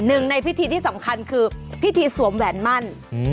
ในพิธีที่สำคัญคือพิธีสวมแหวนมั่น